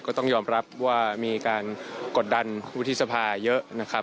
ก็ต้องยอมรับว่ามีการกดดันวุฒิสภาเยอะนะครับ